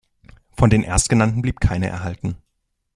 Von den erstgenannten blieb keine erhalten.